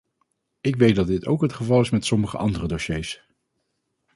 Ik weet dat dit ook het geval is met sommige andere dossiers.